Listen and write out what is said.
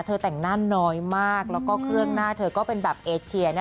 แต่งหน้าน้อยมากแล้วก็เครื่องหน้าเธอก็เป็นแบบเอเชียนะ